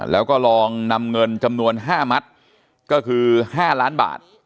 แล้วก็ลองนำเงินจำนวน๕มัดก็คือ๕ล้านบาท